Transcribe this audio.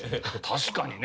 確かにね。